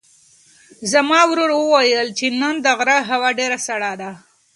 زما ورور وویل چې نن د غره هوا ډېره سړه ده.